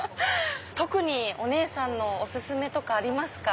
特にお姉さんのお薦めとかありますか？